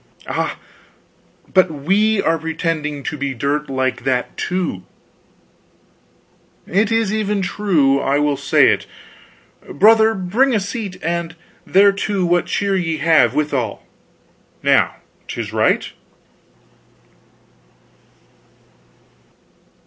"Ah, but we are pretending to be dirt like that, too." "It is even true. I will say it. Brother, bring a seat, and thereto what cheer ye have, withal. Now 'tis right."